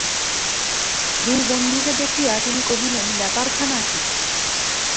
দুই বন্ধুকে দেখিয়া তিনি কহিলেন, ব্যাপারখানা কী!